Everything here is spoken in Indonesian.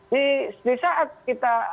di saat kita